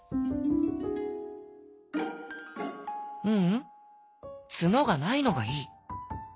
「ううんツノがないのがいい」。